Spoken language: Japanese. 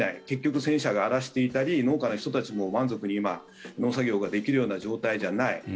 結局、戦車が荒らしていたり農家の人たちも満足に今、農作業ができるような状態じゃない。